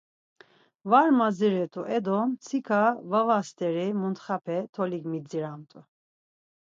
Var madziret̆u edo mtsika vava steri muntxape tolik midziramt̆u.